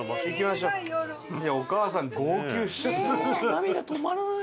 涙止まらない。